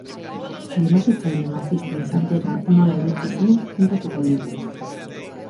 Erasotzaile matxista izatera nola iritsi zen kontatuko digu.